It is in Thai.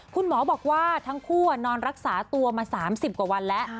คุณหมอบอกว่าทั้งคู่นอนรักษาตัวมา๓๐กว่าวันแล้ว